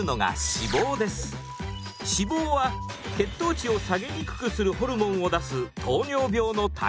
脂肪は血糖値を下げにくくするホルモンを出す糖尿病の大敵。